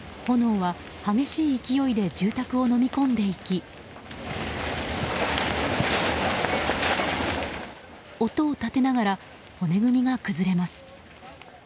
炎は激しい勢いで住宅をのみ込んでいき音を立てながら骨組みが崩れます。